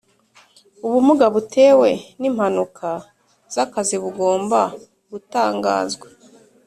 Ubumuga butewe n’ impanuka z’akazi bugomba gutangazwa